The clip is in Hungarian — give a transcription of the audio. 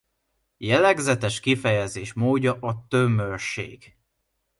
Jellegzetes kifejezés módja a tömörség.